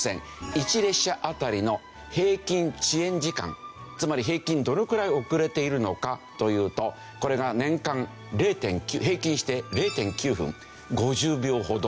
１列車あたりの平均遅延時間つまり平均どのくらい遅れているのかというとこれが年間平均して０．９分５０秒ほど。